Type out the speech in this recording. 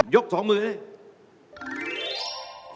ยกสองมือเลย